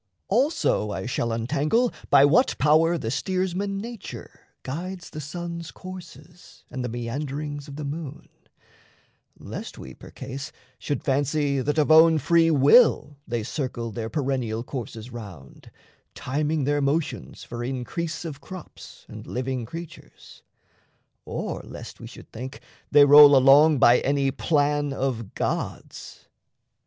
Also I shall untangle by what power The steersman nature guides the sun's courses, And the meanderings of the moon, lest we, Percase, should fancy that of own free will They circle their perennial courses round, Timing their motions for increase of crops And living creatures, or lest we should think They roll along by any plan of gods.